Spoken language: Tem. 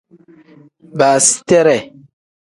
Baasiteree.